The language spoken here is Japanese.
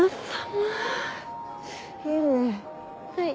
はい。